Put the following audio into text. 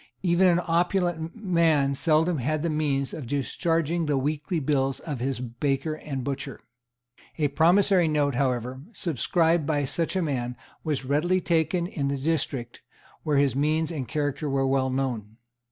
Even an opulent man seldom had the means of discharging the weekly bills of his baker and butcher. A promissory note, however, subscribed by such a man, was readily taken in the district where his means and character were well known.